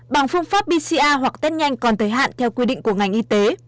bằng phương pháp bca hoặc test nhanh còn thời hạn theo quy định của ngành y tế